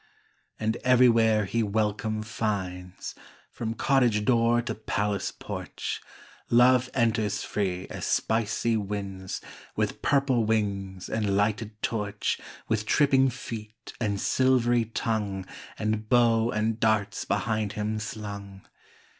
And everywhere he welcome finds, From cottage door to palace porch Love enters free as spicy winds, With purple wings and lighted torch, With tripping feet and silvery tongue, And bow and darts behind him slung.